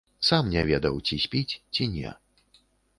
Сам не ведаў, ці спіць, ці не.